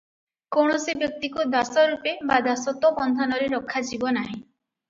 କୌଣସି ବ୍ୟକ୍ତିକୁ ଦାସ ରୂପେ ବା ଦାସତ୍ତ୍ୱ ବନ୍ଧନରେ ରଖାଯିବ ନାହିଁ ।